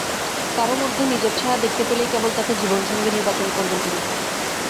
কারও মধ্যে নিজের ছায়া দেখতে পেলেই কেবল তাঁকে জীবনসঙ্গী নির্বাচন করবেন তিনি।